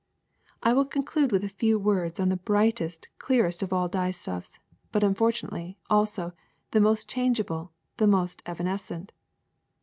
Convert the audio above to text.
^*I will conclude with a few words on the brightest, clearest of all dyestuffs, but unfortunately, also, the most changeable, the most evanescent.